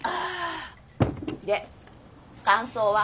で感想は？